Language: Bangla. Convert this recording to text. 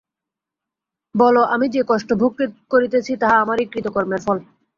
বল, আমি যে কষ্ট ভোগ করিতেছি, তাহা আমারই কৃতকর্মের ফল।